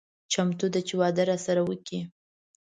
چمتو ده چې واده راسره وکړي.